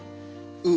うん！